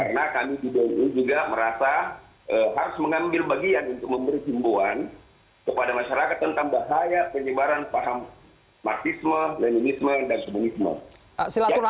karena kami juga merasa harus mengambil bagian untuk memberi jemboan kepada masyarakat tentang bahaya penyebaran paham marxisme leninisme dan kebenisme